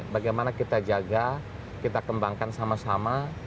bagaimana kita jaga kita kembangkan sama sama